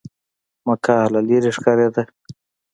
مکه له لرې ښکارېده.